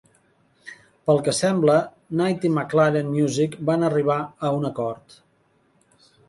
Pel que sembla, Knight i Maclen Music van arribar a un acord.